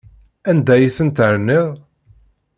Anda ay ten-terniḍ?